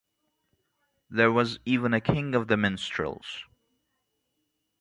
There was even a "King of the Minstrels".